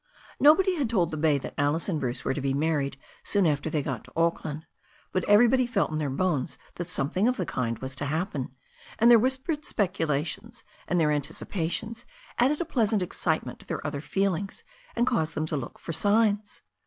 Nobody had told the bay that Alice and Bruce were to be married soon after they got to Auckland, but everybody felt in their bones that something of the kind was to happen, and their whispered speculations and their anticipations added a pleasant excite ment to their other feelings, and caused them to look for signs.